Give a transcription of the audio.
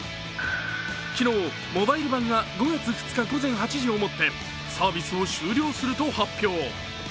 昨日、モバイル版が５月２日８時をもってサービスを終了すると発表。